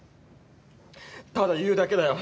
ただ言うだけだよ。